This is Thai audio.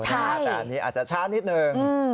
แต่อันนี้อาจจะช้านิดนึง